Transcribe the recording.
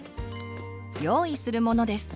用意するものです。